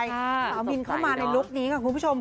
สาวมินเข้ามาในลุคนี้ค่ะคุณผู้ชม